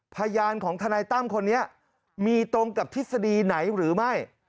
พยานของทนายตั้มคนนี้มีตรงกับทฤษฎีไหนหรือไม่